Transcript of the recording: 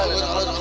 boleh boleh boleh